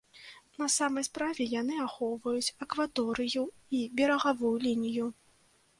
На самай справе, яны ахоўваюць акваторыю і берагавую лінію.